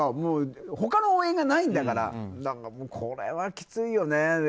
他の応援がないんだからこれはきついよね。